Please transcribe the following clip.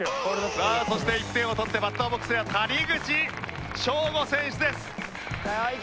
さあそして１点を取ってバッターボックスには谷口彰悟選手です。